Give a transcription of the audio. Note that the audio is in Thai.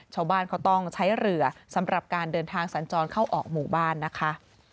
ชาวบ้านเขาต้องใช้เรือสำหรับการเดินทางสัญจรเข้าออกหมู่บ้านนะคะ